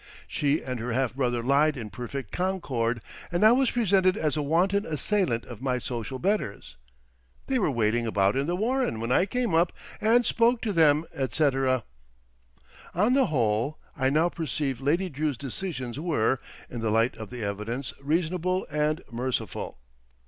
She and her half brother lied in perfect concord, and I was presented as a wanton assailant of my social betters. They were waiting about in the Warren, when I came up and spoke to them, etc. On the whole, I now perceive Lady Drew's decisions were, in the light of the evidence, reasonable and merciful.